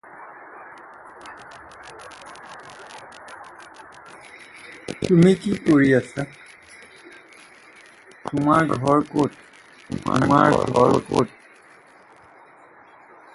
ইমান দিন পৰি আছিল যেতিয়া আৰু এৰাতি পৰি থাকিলে একো নহয়।